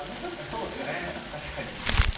そうですね、確かに。